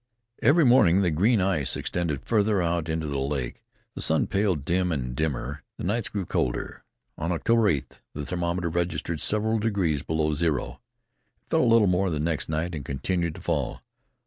Every morning the green ice extended farther out into the lake; the sun paled dim and dimmer; the nights grew colder. On October 8th the thermometer registered several degrees below zero; it fell a little more next night and continued to fall.